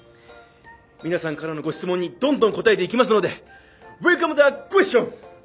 皆さんからのご質問にどんどん答えていきますのでウェルカムザクエスチョン！